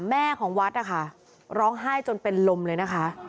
แม่ของวัดนะคะร้องไห้จนเป็นลมเลยนะคะ